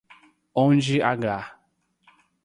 Onde h